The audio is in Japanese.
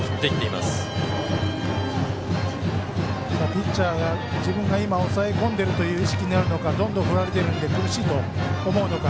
ピッチャーが自分が今抑え込んでいるという意識になるのかどんどん振られているので苦しいと思うのか。